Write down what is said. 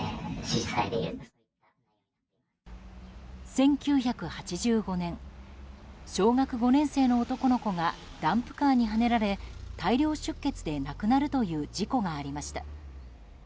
１９８５年小学５年生の男の子がダンプカーにはねられ大量出血で亡くなるという事故がありました。